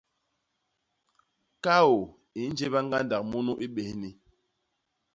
Kaô i njéba ñgandak munu i bésni.